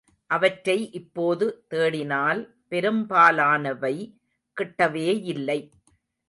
அவற்றை இப்போது தேடினால் பெரும்பாலானவை கிட்டவேயில்லை.